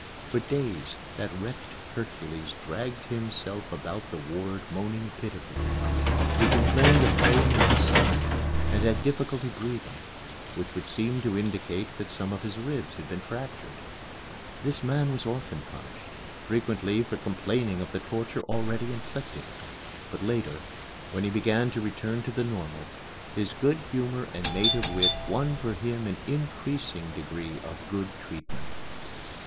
For days, that wrecked Hercules dragged himself about the ward moaning pitifully. He complained of pain in his side and had difficulty in breathing, which would seem to indicate that some of his ribs had been fractured. This man was often punished, frequently for complaining of the torture already inflicted. But later, when he began to return to the normal, his good humor and native wit won for him an increasing degree of good treatment.